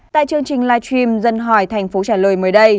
tại chương trình live stream dân hỏi tp hcm